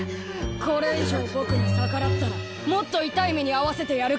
これ以上ぼくに逆らったらもっと痛い目にあわせてやるからな。